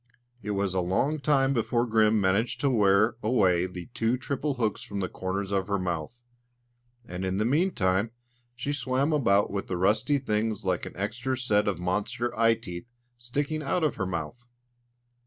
It was a long time before Grim managed to wear away the two triple hooks from the corners of her mouth, and in the meantime she swam about with the rusty things like an extra set of monster eye teeth sticking out of her mouth.